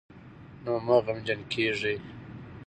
نو مه غمجن کېږئ